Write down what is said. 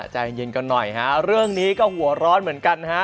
ใจเย็นกันหน่อยฮะเรื่องนี้ก็หัวร้อนเหมือนกันนะฮะ